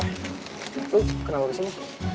lo kenapa kesini